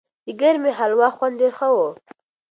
د ګرمې هلوا خوند ډېر ښه و.